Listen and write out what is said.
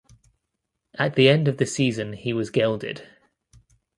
At the end of the season he was gelded.